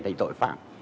thành tội phạm